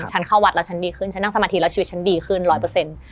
ฉันเข้าวัดแล้วฉันดีขึ้นฉันนั่งสมาธิแล้วชีวิตฉันดีขึ้น๑๐๐